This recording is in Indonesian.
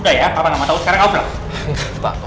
udah ya papa gak mau tau sekarang kamu pulang